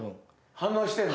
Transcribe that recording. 反応してんだ。